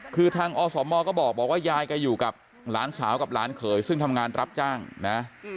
คือทางอสมก็บอกว่ายายแกอยู่กับหลานสาวกับหลานเขยซึ่งทำงานรับจ้างนะ